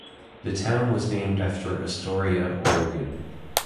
The town was named after Astoria, Oregon.